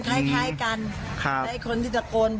เขาบอกว่าบ้านอยู่ไหน